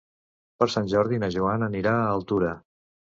Per Sant Jordi na Joana anirà a Altura.